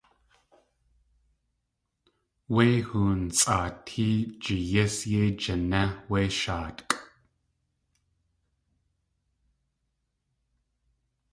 Wé hoon sʼaatí jeeyís yéi jiné wé shaatkʼ.